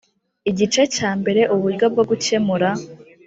igice cya mbere uburyo bwo gukemura